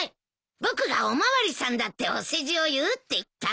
僕がお巡りさんだってお世辞を言うって言ったんだ。